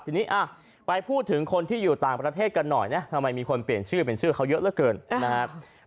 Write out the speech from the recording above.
ทีนี้ไปพูดถึงคนที่อยู่ต่างประเทศกันหน่อยนะทำไมมีคนเปลี่ยนชื่อเป็นชื่อเขาเยอะเหลือเกินนะครับ